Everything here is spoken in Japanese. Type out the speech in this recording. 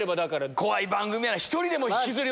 怖い番組や。